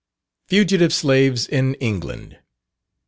_Fugitive Slaves in England.